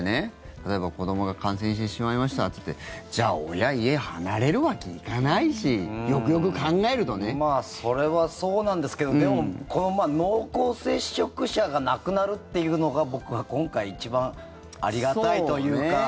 例えば子どもが感染してしまいましたっつってじゃあ、親家離れるわけにいかないしそれはそうなんですけどでも、この濃厚接触者がなくなるっていうのが僕は今回一番ありがたいというか。